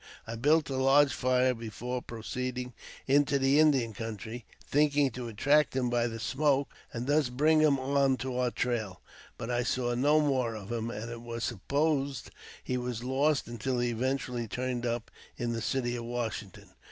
I built a large fire before proceeding into* the Indian country, thinking to attract him by the smoke, and thus bring him on to our trail, but I saw no more of him, and it was supposed that he was lost until he eventually turned up in the City of Washington.